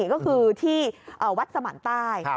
ก็คือที่วัดสมันใต้